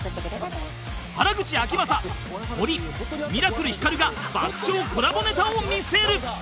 原口あきまさホリミラクルひかるが爆笑コラボネタを見せる